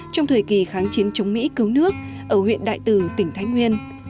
trong thời kỳ kháng chiến chống mỹ cứu nước ở huyện đại từ tỉnh thái nguyên